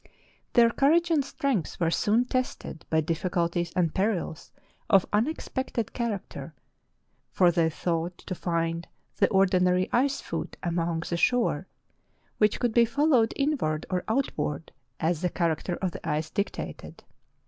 Their courage and strength were soon tested by difficulties and perils of unexpected character, for they thought to find the ordinary ice foot along the shore, which could be followed inward or outward as the character of the ice dictated.